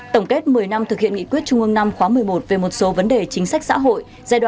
tổng kết một mươi năm thực hiện nghị quyết trung ương năm khóa một mươi một về một số vấn đề chính sách xã hội